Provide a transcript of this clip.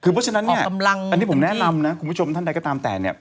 คือเพราะฉะนั้นเนี่ยอันนี้ผมแนะนำนะคุณผู้ชมท่านใดก็ตามแต่เนี่ย